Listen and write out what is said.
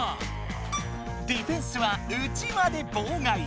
ディフェンスはうちわでぼうがい。